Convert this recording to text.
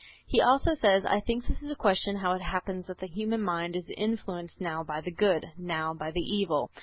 He also says: "I think this is a question how it happens that the human mind is influenced now by the good, now by the evil.